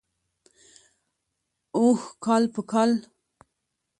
اوح کال په کال.